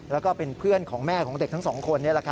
แล้วก็เป็นเพื่อนของแม่ของเด็กทั้งสองคน